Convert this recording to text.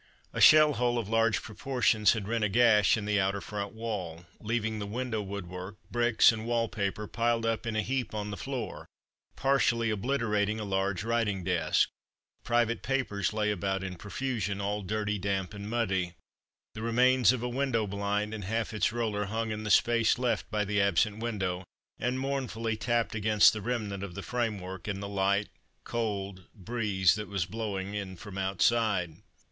A shell hole of large proportions had rent a gash in the outer front wall, leaving the window woodwork, bricks and wall paper piled up in a heap on the floor, partially obliterating a large writing desk. Private papers lay about in profusion, all dirty, damp and muddy. The remains of a window blind and half its roller hung in the space left by the absent window, and mournfully tapped against the remnant of the framework in the light, cold breeze that was blowing in from outside.